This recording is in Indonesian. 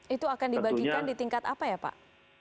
itu akan dibagikan di tingkat apa ya pak